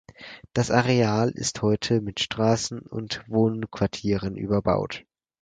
Das Areal ist heute mit Straßen und Wohnquartieren überbaut.